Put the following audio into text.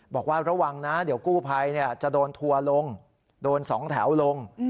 บอกว่าระวังนะเดี๋ยวกู้ภัยจะโดนทัวร์ลงโดน๒แถวลง